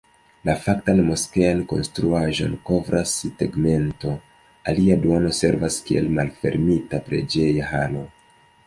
La faktan moskean konstruaĵon kovras tegmento, alia duono servas kiel malfermita preĝeja halo.